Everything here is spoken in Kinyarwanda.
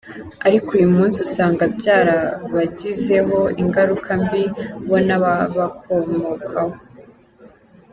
Ariko uyu munsi usanga byarabagizeho ingaruka mbi bo n’ababakomokaho.